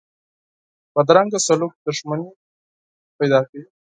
بدرنګه سلوک دښمني پیدا کوي